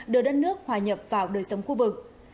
đưa đất nước hòa nhập vào đời sống khu vực